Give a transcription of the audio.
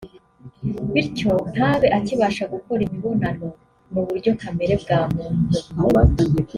bityo ntabe akibasha gukora imibonano mu buryo kamere bwa muntu